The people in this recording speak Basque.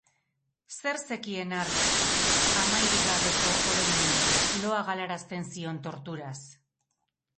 Zer zekien hark amairik gabeko oroiminaz, loa galarazten zion torturaz?